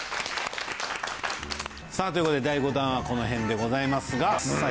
さあということで第５弾はこの辺でございますがさあ